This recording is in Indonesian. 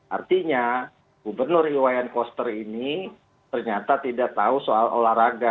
artinya gubernur iwayan koster ini ternyata tidak tahu soal olahraga